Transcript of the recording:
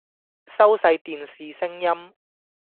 收細電視聲音